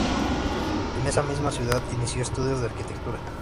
En esa misma ciudad inició estudios de arquitectura.